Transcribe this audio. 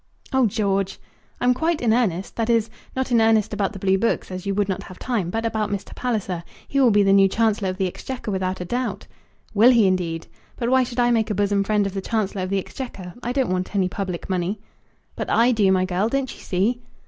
"Oh, George!" "I'm quite in earnest. That is, not in earnest about the blue books, as you would not have time; but about Mr. Palliser. He will be the new Chancellor of the Exchequer without a doubt." "Will he indeed? But why should I make a bosom friend of the Chancellor of the Exchequer. I don't want any public money." "But I do, my girl. Don't you see?"